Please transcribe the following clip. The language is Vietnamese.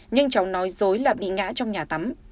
nhưng cháu nói dối lặp đi ngã trong nhà tắm